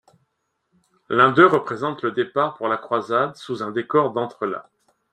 L'un d'eux représente le départ pour la croisade sous un décor d'entrelacs.